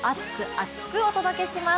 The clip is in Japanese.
厚く！お届けします。